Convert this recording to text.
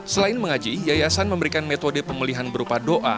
selain mengaji yayasan memberikan metode pemulihan berupa doa